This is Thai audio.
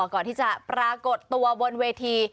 ก่อนที่จะปรากฏตัวบนเวที